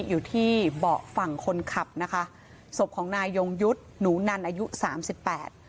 อยู่ที่เบาะฝั่งคนขับนะคะศพของนายยงยุทธ์หนูนันอายุสามสิบแปด